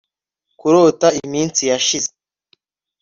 Kurota iminsi yashize